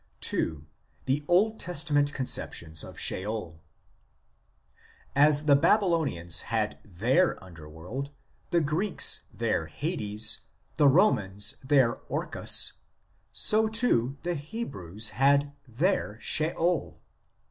II. THE OLD TESTAMENT CONCEPTIONS OF SHEOL As the Babylonians had their underworld, the Greeks their Hades, the Romans their Orcus, so too the Hebrews had their Sheol.